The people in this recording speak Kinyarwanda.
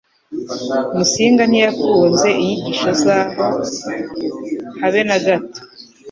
Musinga ntiyakunze inyigisho zabo habe nagato